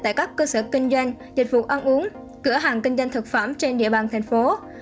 tại các cơ sở kinh doanh dịch vụ ăn uống cửa hàng kinh doanh thực phẩm trên địa bàn thành phố